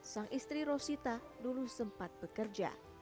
sang istri rosita dulu sempat bekerja